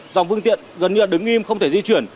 dòng phương tiện gần như là đứng im không thể di chuyển